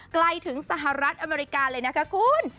ไกลถึงสหรัฐอเมริกาเลยนะคะคุณ